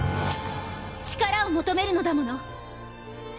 力を求めるのだもの。